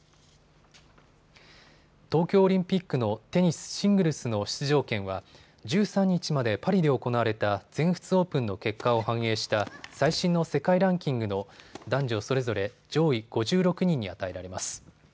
東京オリンピックのテニス、シングルスの出場権は１３日までパリで行われた全仏オープンの結果を反映した最新の世界ランキングの男女それぞれ上位５６人に与えられます。